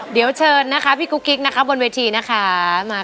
เดี๋ยวเชิญพี่กุ๊กกิ๊กบนเวทีนะคะ